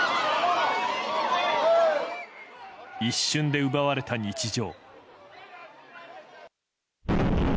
一瞬で奪われた日常。